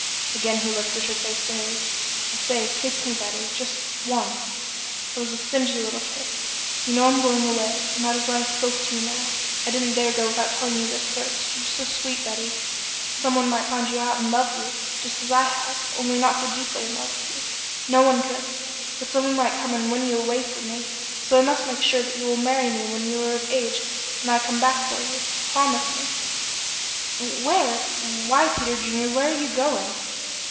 Again he lifted her face to his. "I say, kiss me, Betty. Just one? That was a stingy little kiss. You know I'm going away, and that is why I spoke to you now. I didn't dare go without telling you this first. You're so sweet, Betty, some one might find you out and love you just as I have only not so deeply in love with you no one could but some one might come and win you away from me, and so I must make sure that you will marry me when you are of age and I come back for you. Promise me." "Where? why Peter Junior! Where are you going?"